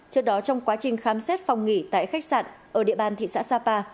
trước đó trong quá trình khám xét phòng nghỉ tại khách sạn ở địa bàn thị xã sapa